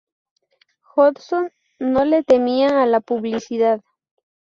Hodgson no le temía a la publicidad.